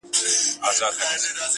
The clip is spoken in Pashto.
• اخ تر خوله دي سم قربان زويه هوښياره -